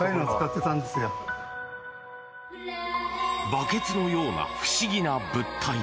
バケツのような不思議な物体。